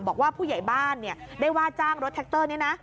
บอกว่าผู้ใหญ่บ้านได้ว่าจ้างรถแท็กเตอร์นี้นะ